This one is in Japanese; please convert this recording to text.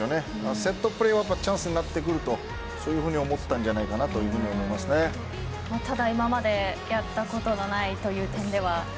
セットプレーはやっぱチャンスになってくるとそういうふうに思ったんじゃないかなとただ、今までやったことのないという点では。